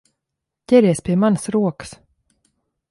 Ķeries pie manas rokas!